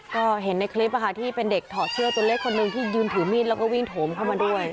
ก็เห็นในคลิปที่เป็นเด็กถอดเสื้อตัวเล็กคนหนึ่งที่ยืนถือมีดแล้วก็วิ่งโถมเข้ามาด้วย